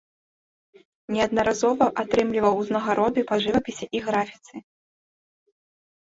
Неаднаразова атрымліваў ўзнагароды па жывапісе і графіцы.